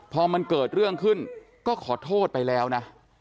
พอมันเกิดเรื่องขึ้นก็ขอโทษไปแล้วนะ